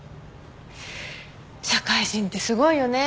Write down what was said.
社会人ってすごいよね。